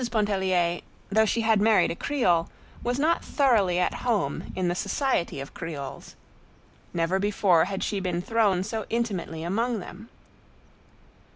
Pontellier, though she had married a Creole, was not thoroughly at home in the society of Creoles; never before had she been thrown so intimately among them.